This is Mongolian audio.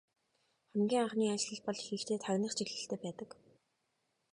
Хамгийн анхны айлчлал бол ихэнхдээ тагнах чиглэлтэй байдаг.